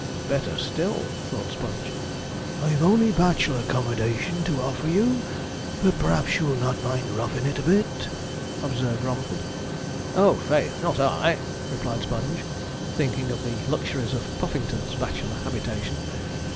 'Better still!' thought Sponge. 'I've only bachelor 'commodation to offer you; but p'raps you'll not mind roughing it a bit?' observed Romford. 'Oh, faith, not I!' replied Sponge, thinking of the luxuries of Puffington's bachelor habitation.